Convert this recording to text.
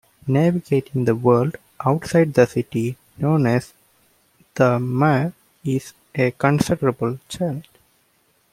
Navigating the world outside the city, known as the Mire, is a considerable challenge.